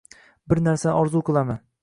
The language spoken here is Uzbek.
Bir narsani orzu qilaman.